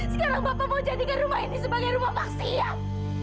sekarang bapak mau jadikan rumah ini sebagai rumah maksiat